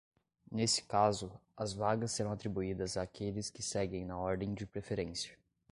Nesse caso, as vagas serão atribuídas àqueles que seguem na ordem de preferência.